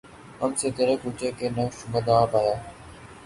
ہم سے تیرے کوچے نے نقش مدعا پایا